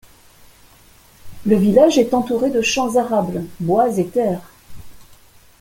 Le village est entouré de champs arables, bois et terres.